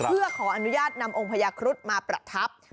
เพื่อขออนุญาตนำองค์พญาครุฑมาประทับ